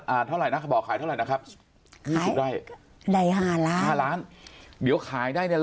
อ่าเขาบอกขายเท่าไรนะครับได้ห้าล้านห้าล้านเดี๋ยวขายได้เนี้ย